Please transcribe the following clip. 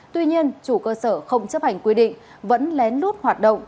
tuy nhiên chủ cơ sở không chấp hành quy định vẫn lén lút hoạt động